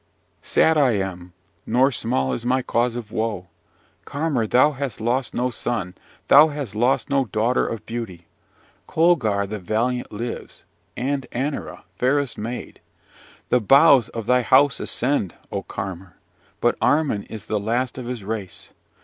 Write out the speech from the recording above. "Sad I am! nor small is my cause of woe! Carmor, thou hast lost no son; thou hast lost no daughter of beauty. Colgar the valiant lives, and Annira, fairest maid. The boughs of thy house ascend, O Carmor! but Armin is the last of his race.